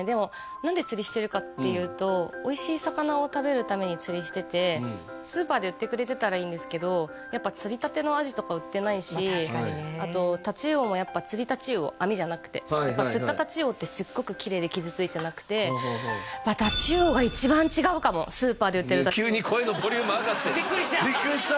何で釣りしてるかっていうとスーパーで売ってくれてたらいいんですけどやっぱ釣りたてのアジとか売ってないしあとタチウオもやっぱ釣りタチウオ網じゃなくてやっぱ釣ったタチウオってすっごくきれいで傷ついてなくてスーパーで売ってるタチウオと急に声のボリューム上がってビックリした！